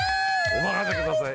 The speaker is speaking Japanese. お任せください。